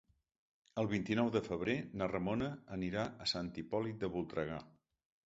El vint-i-nou de febrer na Ramona anirà a Sant Hipòlit de Voltregà.